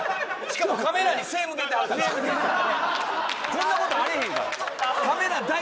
こんなことあれへんから。